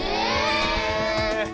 え！